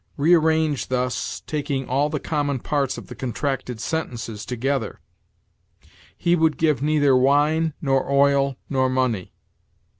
Rearrange thus, taking all the common parts of the contracted sentences together: "He would give neither wine, nor oil, nor money."